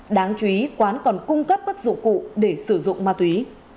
đáng chú ý quán còn cung cấp các dụng cụ để sử dụng ma túy